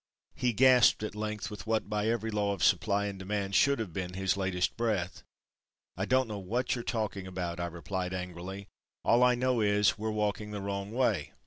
He gasped at length with what by every law of supply and demand should have been his latest breath. "I don't know what you're talking about"—I replied angrily. "All I know is we're walking the wrong way."